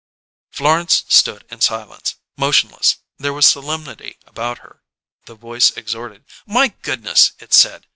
_" Florence stood in silence, motionless; there was a solemnity about her. The voice exhorted. "My goodness!" it said.